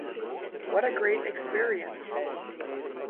What a great experience.